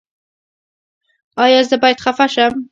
ایا زه باید خفه شم؟